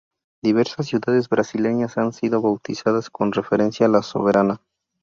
Diversas ciudades brasileñas han sido bautizadas con referencia a la soberana.